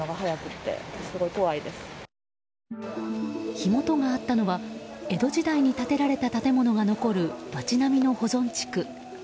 火元があったのは江戸時代に建てられた建物が残る町並みの保存地区。